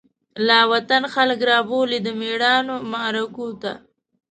لاوطن خلک رابولی، دمیړانومعرکوته